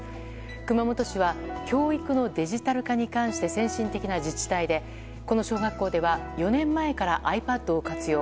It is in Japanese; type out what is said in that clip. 熊本市は教育のデジタル化に関して先進的な自治体でこの小学校では４年前からｉＰａｄを活用。